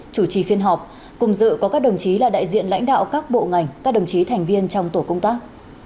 chủ trì phiên họp cùng dự có các đồng chí là đại diện lãnh đạo các bộ ngành các đồng chí thành viên trong tổ công tác